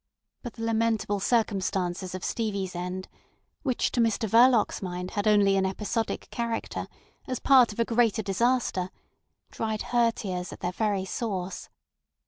But the lamentable circumstances of Stevie's end, which to Mr Verloc's mind had only an episodic character, as part of a greater disaster, dried her tears at their very source.